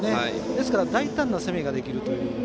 ですから大胆な攻めができるという。